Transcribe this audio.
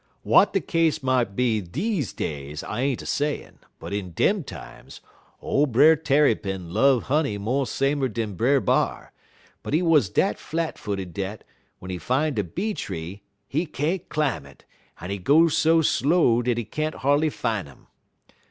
"W'at de case mout be deze days, I ain't a sayin', but, in dem times, ole Brer Tarrypin love honey mo' samer dan Brer B'ar, but he wuz dat flat footed dat, w'en he fine a bee tree, he can't climb it, en he go so slow dat he can't hardly fine um.